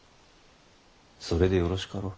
それでよろしかろう。